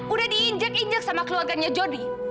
udah diinjak injak sama keluarganya jody